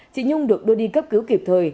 chị nhung được đưa đi cấp cứu kịp thời